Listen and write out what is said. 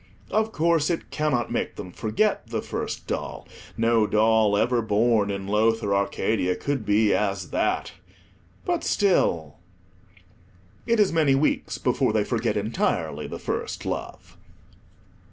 Of course, it cannot make them forget the first doll; no doll ever born in Lowther Arcadia could be as that, but still— It is many weeks before they forget entirely the first love.